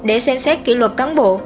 để xem xét kỷ luật cán bộ